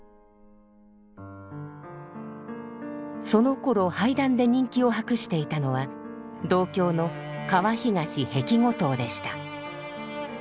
そのころ俳壇で人気を博していたのは同郷の河東碧梧桐でした。